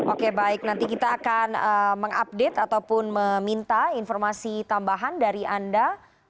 oke baik nanti kita akan mengupdate ataupun meminta informasi tambahan dari anda